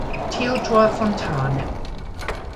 Theodor Fontane.